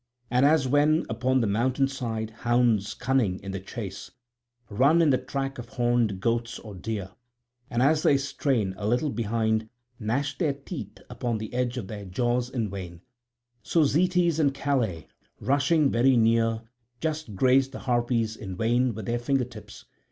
And as when, upon the mountain side, hounds, cunning in the chase, run in the track of horned goats or deer, and as they strain a little behind gnash their teeth upon the edge of their jaws in vain; so Zetes and Calais rushing very near just grazed the Harpies in vain with their finger tips.